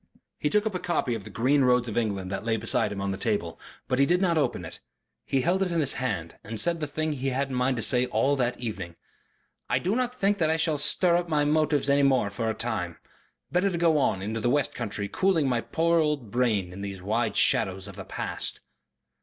He took up a copy of THE GREEN ROADS OF ENGLAND that lay beside him on the table. But he did not open it. He held it in his hand and said the thing he had had in mind to say all that evening. "I do not think that I shall stir up my motives any more for a time. Better to go on into the west country cooling my poor old brain in these wide shadows of the past."